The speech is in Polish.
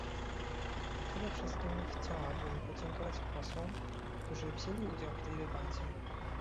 Przede wszystkim chciałabym podziękować posłom, którzy wzięli udział w tej debacie